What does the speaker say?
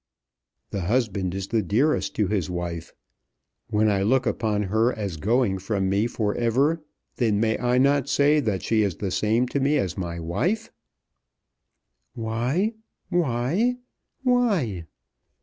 The husband is the dearest to his wife. When I look upon her as going from me for ever, then may I not say that she is the same to me as my wife." "Why why, why?"